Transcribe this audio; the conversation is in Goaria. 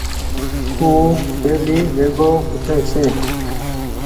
او ڊيلي ويگو اُٺي ڇي۔